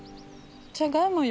じゃがいもよ。